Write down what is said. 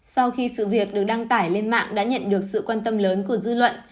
sau khi sự việc được đăng tải lên mạng đã nhận được sự quan tâm lớn của dư luận